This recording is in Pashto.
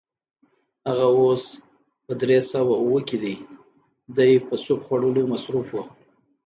هغه اوس په درې سوه اووه کې دی، دی په سوپ خوړلو مصروف و.